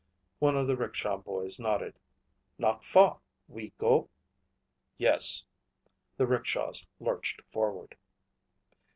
One of the rickshaw boys nodded. "Not far. We go?" "Yes." The rickshaws lurched forward.